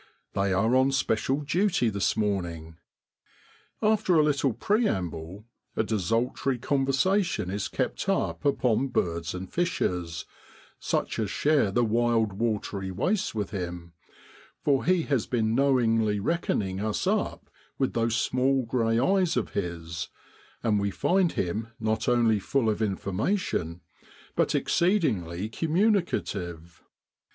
They are on special duty this morning. After a little preamble, a desultory conversation is kept up upon birds and fishes such as share the wild watery wastes with him, for he has been knowingly reckoning us up with those small grey eyes of his; and we find him not only full of information, but exceedingly communicative.